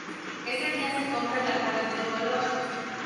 Ese día se compra "La cuerda tricolor".